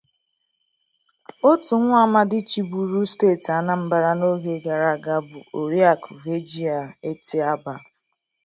otu nwa amadi chịbụrụ steeti Anambra n'oge gara bụ Ọriakụ Virgie Etiaba